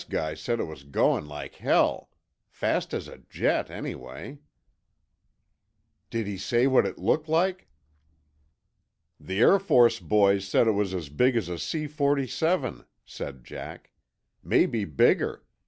guy said it was going like hell. Fast as a jet, anyway." "Did he say what it looked like?" "The Air Force boys said it was as big as a C 47," said Jack. "Maybe bigger.